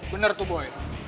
bener tuh boy